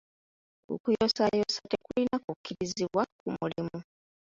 Okuyosaayosa tekulina kukkirizibwa ku mulimu.